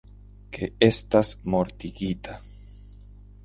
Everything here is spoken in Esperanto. Ke estas mortigita.